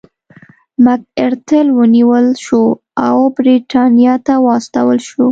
مک ارتر ونیول شو او برېټانیا ته واستول شو.